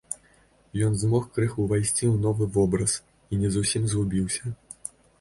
Ён змог крыху ўвайсці ў новы вобраз і не зусім згубіўся.